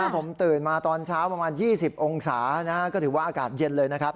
ผมตื่นมาตอนเช้าประมาณ๒๐องศาก็ถือว่าอากาศเย็นเลยนะครับ